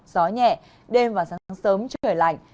gió nhẹ đêm và sáng sớm trời lạnh